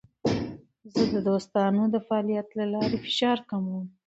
زه د دوستانو سره د فعالیت له لارې فشار کموم.